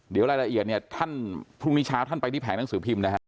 เดี๋ยวรายละเอียดเนี่ยท่านพรุ่งนี้เช้าท่านไปที่แผงหนังสือพิมพ์นะฮะ